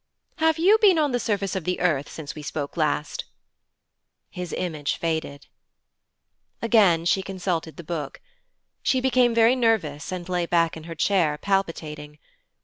'Have you been on the surface of the earth since we spoke last?' His image faded. Again she consulted the book. She became very nervous and lay back in her chair palpitating.